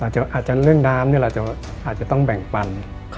อาจารย์เรื่องน้ำเนี่ยอาจจะต้องแบ่งปัน